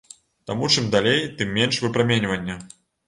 Таму чым далей, тым менш выпраменьвання.